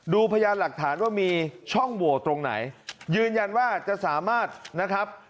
พยานหลักฐานว่ามีช่องโหวตตรงไหนยืนยันว่าจะสามารถนะครับ